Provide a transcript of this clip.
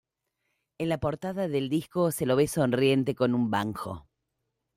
En la portada del disco se lo ve sonriente con un banjo.